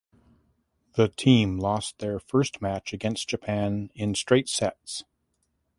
The team lost their first match against Japan in straight sets.